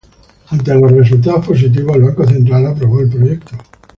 Ante los resultados positivos, el Banco Central aprobó el proyecto.